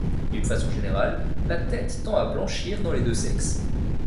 D'une façon générale, la tête tend à blanchir dans les deux sexes.